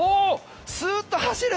スーッと走る！